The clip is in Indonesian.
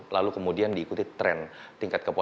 lalu kemudian diikuti tren tingkat kepuasan